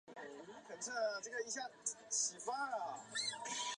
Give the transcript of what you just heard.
伊莉莎白是位于美国阿肯色州富尔顿县的一个非建制地区。